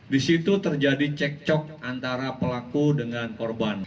di situ terjadi cekcok antara pelaku dengan korban